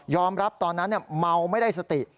รับตอนนั้นเมาไม่ได้สติ